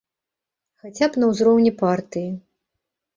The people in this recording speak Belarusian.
Хаця б на ўзроўні партыі.